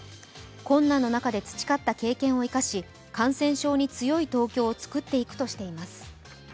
困難の中で培った経験を生かし感染症に強い東京を作っていくとしています。